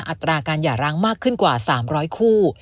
อัตราการหย่าร้างมากขึ้นกว่า๓๐๐คู่